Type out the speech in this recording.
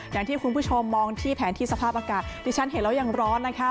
อย่างที่คุณผู้ชมมองที่แผนที่สภาพอากาศที่ฉันเห็นแล้วยังร้อนนะคะ